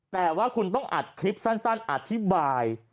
แต่ว่าคุณต้องอัดคลิปสั้นอธิบาย